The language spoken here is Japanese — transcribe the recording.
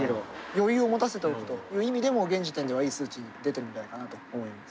余裕を持たせておくという意味でも現時点ではいい数値出てるんじゃないかなと思います。